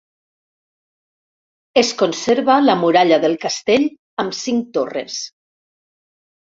Es conserva la muralla del castell amb cinc torres.